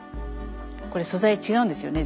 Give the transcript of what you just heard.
これ素材違うんですよね